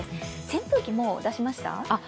扇風機、もう出しました？